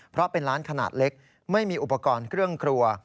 เพราะเป็นร้านขนาดเล็กไม่มีอุปกรณ์เครื่องครัว